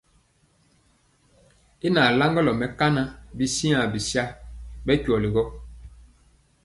Y nalaŋgɔlɔ mɛkana bityiaŋ bisa bɛ kweli gɔ.